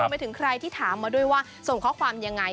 ไปถึงใครที่ถามมาด้วยว่าส่งข้อความยังไง